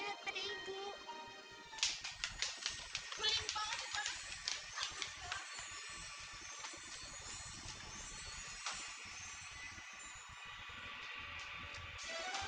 melimpang aja tante